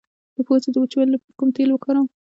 د پوزې د وچوالي لپاره کوم تېل وکاروم؟